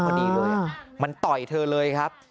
พอดีเลยมันต่อยเธอเลยครับ